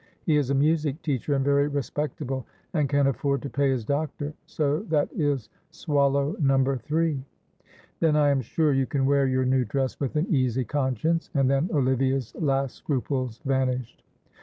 He is a music teacher and very respectable, and can afford to pay his doctor, so that is swallow number three." "Then I am sure you can wear your new dress with an easy conscience," and then Olivia's last scruples vanished.